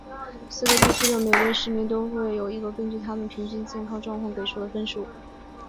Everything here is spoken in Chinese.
四个地区的每一位市民都会有一个根据他们平均健康状况给出的分数。